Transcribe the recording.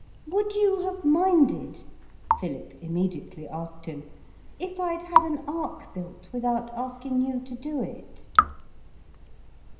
'Would you have minded,' Philip immediately asked him, 'if I'd had an ark built without asking you to do it?'